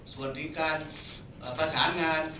ส่วนในการประสานงาน